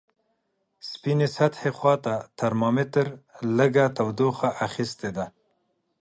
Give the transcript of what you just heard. سپینې سطحې خواته ترمامتر لږه تودوخه اخستې ده.